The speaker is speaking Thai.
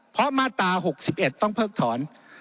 เพราะมาตรา๖๑ต้องเพิกถอน